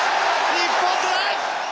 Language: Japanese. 日本トライ！